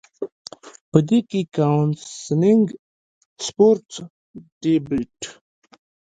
پۀ دې کښې کاونسلنګ ، سپورټس ، ډيبېټ ،